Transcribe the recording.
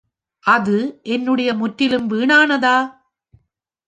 அது என்னுடைய முற்றிலும் வீணானதா?